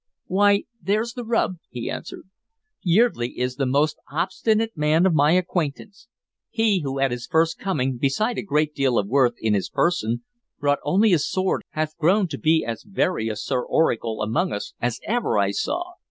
"Why, there's the rub," he answered. "Yeardley is the most obstinate man of my acquaintance. He who at his first coming, beside a great deal of worth in his person, brought only his sword hath grown to be as very a Sir Oracle among us as ever I saw.